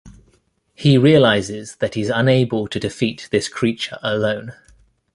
He realizes that he is unable to defeat this creature alone.